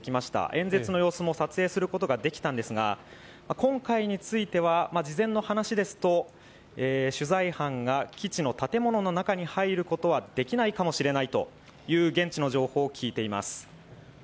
演説の様子も撮影することができたんですが、今回については、事前の話ですと取材班が基地の建物の中に入ることはできないかもしれないという現地の情報を聞いています。